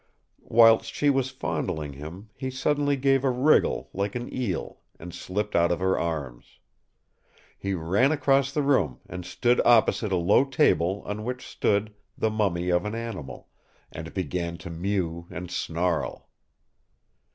Whilst she was fondling him, he suddenly gave a wriggle like an eel and slipped out of her arms. He ran across the room and stood opposite a low table on which stood the mummy of an animal, and began to mew and snarl.